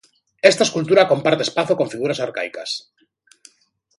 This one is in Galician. Esta escultura comparte espazo con figuras arcaicas.